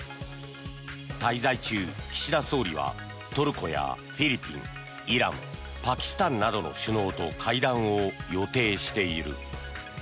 滞在中、岸田総理はトルコやフィリピンイラン、パキスタンなどの首脳と会談を予定している。